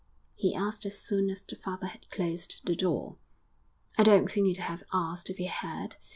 he asked as soon as the father had closed the door. 'I don't think he'd have asked if he had.